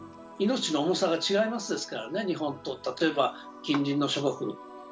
命の重さが違いますからね、日本と例えば近隣の諸国。